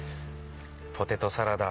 ポテトサラダ。